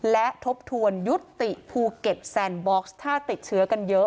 และทบทวนยุติภูเก็ตแซนบ็อกซ์ถ้าติดเชื้อกันเยอะ